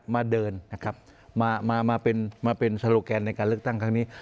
มาเดินนะครับมามาเป็นมาเป็นโซโลแกนในการเลือกตั้งครั้งนี้